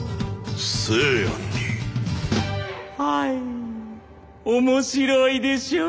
はい面白いでしょう？